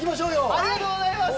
ありがとうございます。